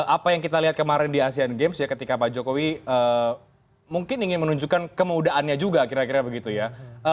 apa yang kita lihat kemarin di asean games ya ketika pak jokowi mungkin ingin menunjukkan kemudaannya juga kira kira begitu ya